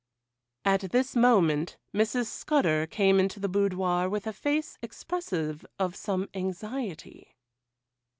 At this moment Mrs. Scudder came into the boudoir with a face expressive of some anxiety.